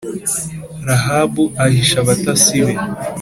rahabu ahisha abatasi be